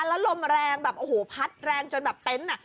แล้วลมแรงแบบโอ้โหพัดแรงจนแบบเต็นต์อ่ะ